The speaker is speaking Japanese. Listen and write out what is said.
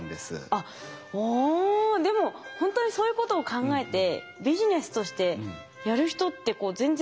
あっでもほんとにそういうことを考えてビジネスとしてやる人って全然何かいそうな。